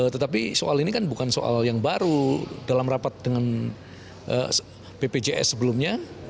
tetapi soal ini kan bukan soal yang baru dalam rapat dengan bpjs sebelumnya